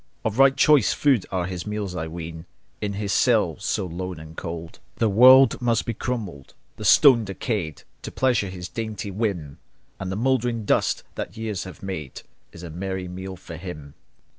Of right choice food are his meals, I ween, In his cell so lone and cold. The walls must be crumbled, the stones decayed. To pleasure his dainty whim; And the mouldering dust that years have made Is a merry meal for him.